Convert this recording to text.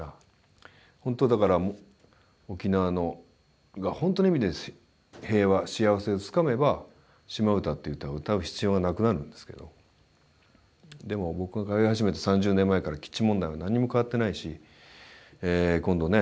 ほんとはだから沖縄がほんとの意味で平和幸せをつかめば「島唄」っていう歌を歌う必要がなくなるんですけどでも僕が通い始めた３０年前から基地問題は何も変わってないし今度ね